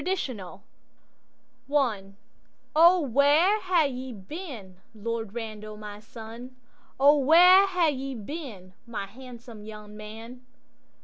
Lord Randal I'O WHERE hae ye been, Lord Randal, my sonO where hae ye been, my handsome young man?